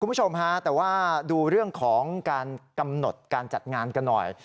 คุณผู้ชมฮะแต่ว่าดูเรื่องของการกำหนดการจัดงานกันหน่อย